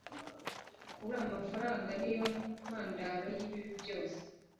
kubura amafaranga niyo ntandaro y'ibibi byose